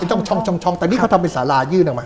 ช่องแต่นี่เขาทำเป็นสารายื่นออกมา